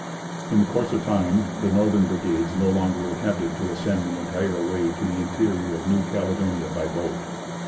In course of time the northern brigades no longer attempted to ascend the entire way to the interior of New Caledonia by boat.